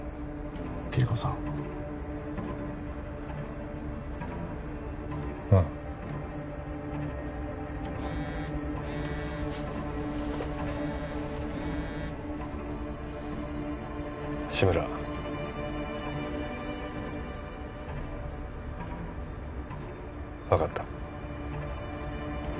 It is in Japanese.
キリコさんああ志村分かった